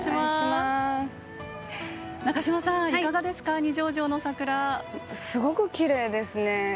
すごくきれいですね。